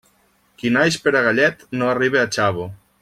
Qui naix per a gallet no arriba a xavo.